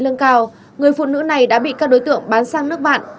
người phụ nữ này đã bị các đối tượng bán sang nước bạn